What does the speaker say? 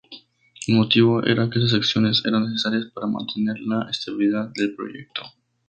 El motivo era que esas acciones eran necesarias para mantener la estabilidad del proyecto.